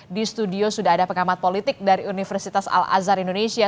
di studio sudah ada pengamat politik dari universitas al azhar indonesia